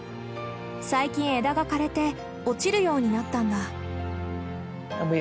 最近枝が枯れて落ちるようになったんだ。